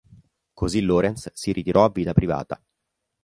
Così Lawrence si ritirò a vita privata.